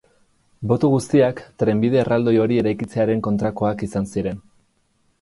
Boto guztiak trenbide erraldoi hori eraikitzearen kontrakoak izan ziren.